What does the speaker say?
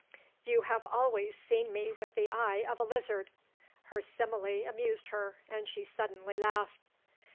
"You have always seen me with the eye of a lizard." Her simile amused her and she suddenly laughed.